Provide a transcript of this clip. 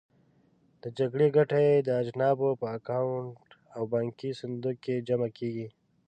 د جګړې ګټه یې د اجانبو په اکاونټ او بانکي صندوق کې جمع کېږي.